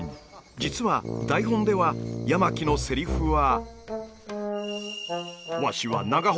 実は台本では山木のセリフは。